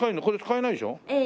これ使えないでしょ？